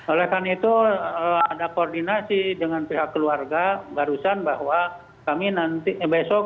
oleh karena itu ada koordinasi dengan pihak keluarga barusan bahwa kami nanti besok